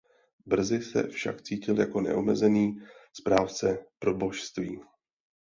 Brzy se však cítil jako neomezený správce proboštství.